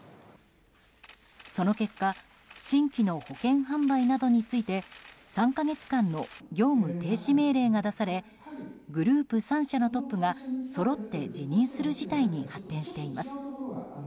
その結果新規の保険販売などについて３か月間の業務停止命令が出されグループ３社のトップがそろって辞任する事態に発展しています。